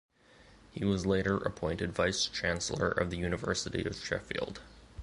He was later appointed Vice-Chancellor of the University of Sheffield.